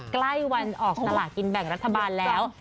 ใกล้วันออกสลากินแบ่งรัฐบาลแล้ว